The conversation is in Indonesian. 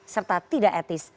serta tidak etis